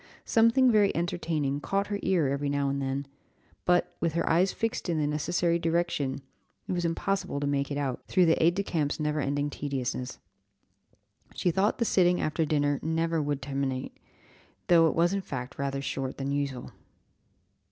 Something very entertaining caught her ear every now and then; but, with her eyes fixed in the necessary direction, it was impossible to make it out, through the aid de camp's never ending tediousness. She thought the sitting after dinner never would terminate, though it was in fact rather shorter than usual.